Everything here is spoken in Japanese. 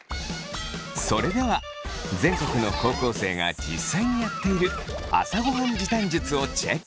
それでは全国の高校生が実際にやっている朝ごはん時短術をチェック。